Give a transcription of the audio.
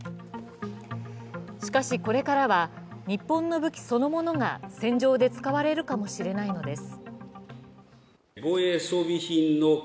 しかし、これからは日本の武器そのものが戦場で使われるかもしれないのです。